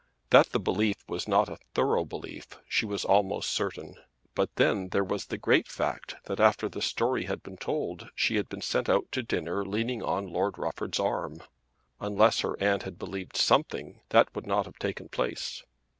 That the belief was not a thorough belief she was almost certain. But then there was the great fact that after the story had been told she had been sent out to dinner leaning on Lord Rufford's arm. Unless her aunt had believed something that would not have taken place.